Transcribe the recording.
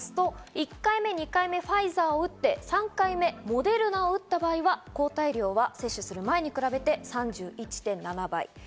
１回目、２回目、ファイザーを打って３回目、モデルナを打った場合は抗体量は接種する前に比べて３１．７倍。